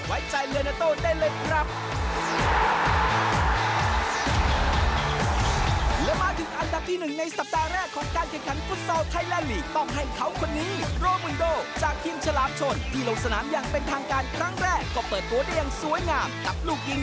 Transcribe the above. ไว้ใจเรือนาโต้ได้เลยครับ